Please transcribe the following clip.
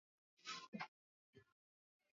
Hapo ndipo biashara ya utumwa ilisimamishwa rasmi